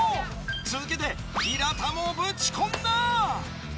続けて平田もぶち込んだ！